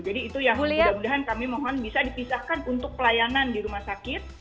jadi itu yang mudah mudahan kami mohon bisa dipisahkan untuk pelayanan di rumah sakit